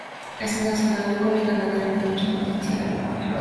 Es una zona agrícola y ganadera con mucho potencial avícola.